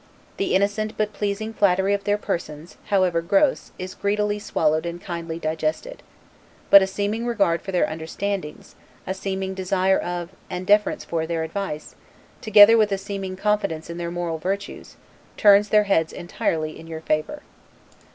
The innocent but pleasing flattery of their persons, however gross, is greedily swallowed and kindly digested: but a seeming regard for their understandings, a seeming desire of, and deference for, their advice, together with a seeming confidence in their moral virtues, turns their heads entirely in your favor.